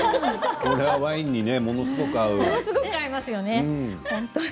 これはワインにものすごく合う。